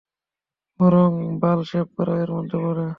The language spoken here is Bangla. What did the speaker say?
বরং বাল শেভ করাও এর মধ্যে পড়ে।